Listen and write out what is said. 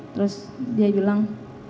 terus dia bilang